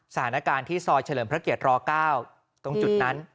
สถานการณ์ที่ซอยเฉลิมพระเกียร๙ตรงจุดนั้น